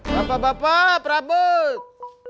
bapak bapak prabut